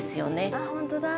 あっ本当だ。